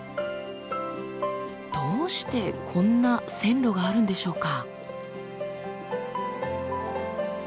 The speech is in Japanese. どうしてこんな線路があるんでしょうか。